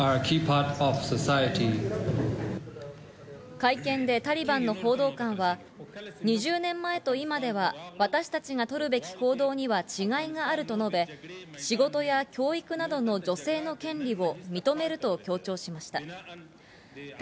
会見でタリバンの報道官は、２０年前と今では私たちが取るべき行動には違いがあると述べ、仕事や教育などの女性の権利を認めると強調しました。